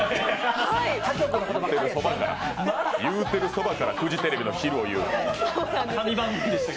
いうてるそばからフジテレビの昼を言う。